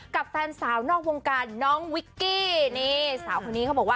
กับแฟนสาวนอกวงการน้องวิกกี้นี่สาวคนนี้เขาบอกว่า